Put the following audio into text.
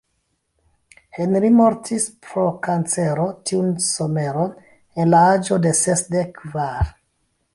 Henri mortis pro kancero tiun someron en la aĝo de sesdek kvar.